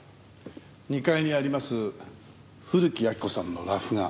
２階にあります古木亜木子さんの裸婦画。